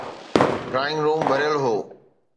Drawing room ڀريل هو.